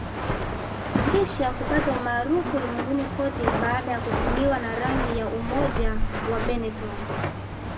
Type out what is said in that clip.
Kisha kupata umaarufu ulimwenguni kote baada ya kutumiwa na rangi ya umoja wa Benetton